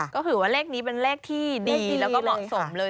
ก็คือว่าเลขนี้เป็นเลขที่ดีแล้วก็เหมาะสมเลย